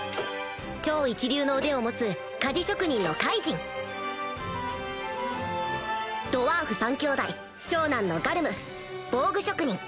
超一流の腕を持つ鍛冶職人のカイジンドワーフ３兄弟長男のガルム防具職人